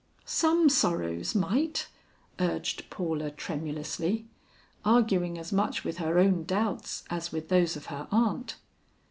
"Some sorrows might," urged Paula tremulously, arguing as much with her own doubts as with those of her aunt.